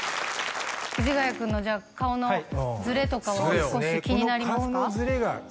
藤ヶ谷君のじゃあ顔のズレとかは少し気になりますか？